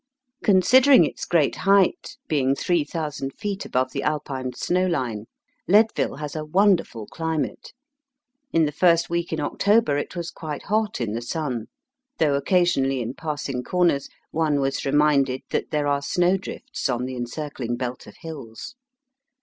Considering its great height, being three thousand feet above the Alpine snow line, Leadville has a wonderful climate. In the first week in October it was quite hot in the sun, though occasionally in passing comers one was reminded that there are snow drifts on the encircling belt of hills.